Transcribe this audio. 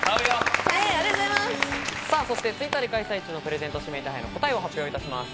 そしてＴｗｉｔｔｅｒで開催中のプレゼント指名手配の答えを発表いたします。